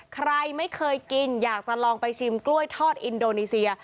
ใครไม่เคยกินอยากจะลองไปชิมกล้วยทอดอินโดนีเซีย